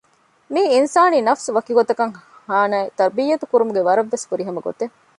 މިއީ އިންސާނީ ނަފުސު ވަކިގޮތަކަށް ހާނައި ތަރްބިޔަތު ކުރުމުގެ ވަރަށްވެސް ފުރިހަމަ ގޮތެއް